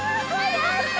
やったち。